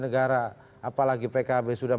negara apalagi pkb sudah